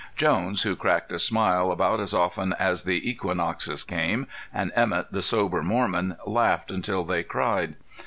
Jones, who cracked a smile about as often as the equinoxes came, and Emett the sober Mormon, laughed until they cried.